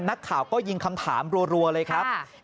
นักข่าวก็ยิงคำถามรัวเลยครับ